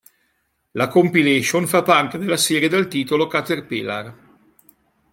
La "compilation" fa parte della serie dal titolo "Caterpillar.